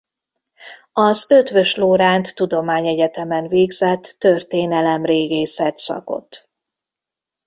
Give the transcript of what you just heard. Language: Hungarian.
Az Eötvös Loránd Tudományegyetemen végzett történelem–régészet szakot.